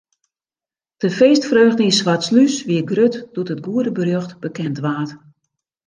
De feestfreugde yn Swartslús wie grut doe't it goede berjocht bekend waard.